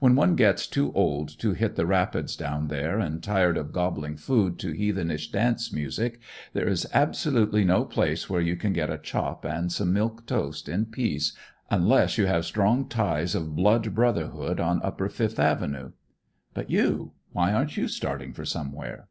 "When one gets too old to hit the rapids down there, and tired of gobbling food to heathenish dance music, there is absolutely no place where you can get a chop and some milk toast in peace, unless you have strong ties of blood brotherhood on upper Fifth Avenue. But you, why aren't you starting for somewhere?"